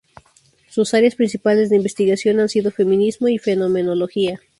Sus áreas principales de investigación han sido feminismo y fenomenología.